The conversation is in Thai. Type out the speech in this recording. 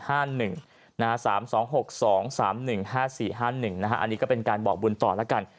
อันนี้ก็เป็นการบอกบุญต่อแล้วกัน